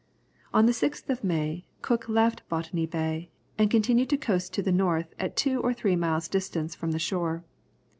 On the 6th of May, Cook left Botany Bay, and continued to coast to the north at two or three miles distance from the shore.